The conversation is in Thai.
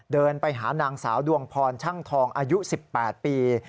เดินไปหานางสาวดวงพรช่างทองอายุ๑๘ปี